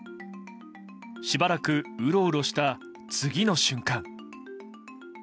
しばらくうろうろした次の瞬間。